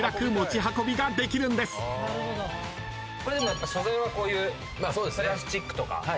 やっぱ素材はこういうプラスチックとか。